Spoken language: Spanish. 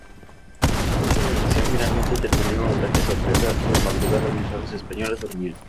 Esta organización finalmente terminó en un ataque sorpresa de madrugada mientras los españoles dormían.